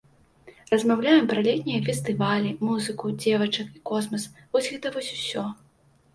Размаўляем пра летнія фестывалі, музыку, дзевачак і космас, вось гэта вось усё.